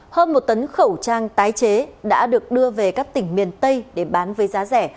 hơn một tấn khẩu trang tái chế đã được đưa về các tỉnh miền tây để bán với giá rẻ